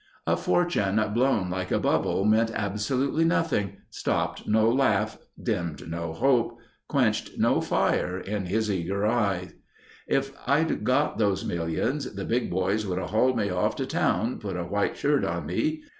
A fortune blown like a bubble meant absolutely nothing—stopped no laugh; dimmed no hope; quenched no fire in his eager eyes. "If I'd got those millions the big boys would have hauled me off to town, put a white shirt on me.